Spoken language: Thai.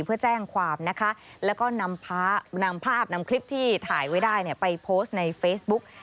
เพื่อแจ้งความนะคะแล้วก็นำภาพนำคลิปที่ถ่ายไว้ได้ไปโพสต์ในเฟซบุ๊ก